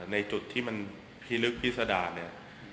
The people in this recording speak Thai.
ในจุดที่มันพิลึกพิษดารเนี่ย